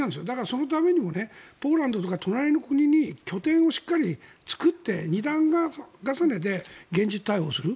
そのためにもポーランドとか隣の国に拠点をしっかり作って２段重ねで現実対応する。